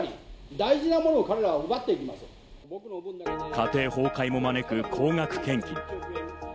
家庭崩壊も招く高額献金。